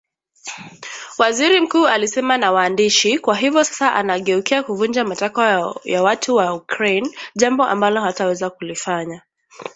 waziri mkuu alisema na waandishi "Kwa hivyo sasa anageukia kuvunja matakwa ya watu wa Ukraine jambo ambalo hawataweza kulifanya"